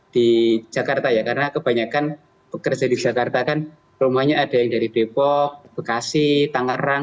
di jakarta ya karena kebanyakan pekerja di jakarta kan rumahnya ada yang dari depok bekasi tangerang